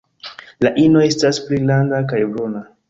La ino estas pli granda kaj bruna.